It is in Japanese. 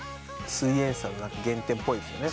「すイエんサー」の原点っぽいですよね。